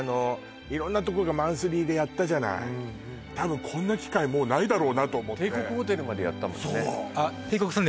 色んなとこがマンスリーでやったじゃない多分こんな機会もうないだろうなと思ってそうっあっ